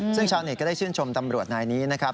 ซึ่งชาวเน็ตก็ได้ชื่นชมตำรวจนายนี้นะครับ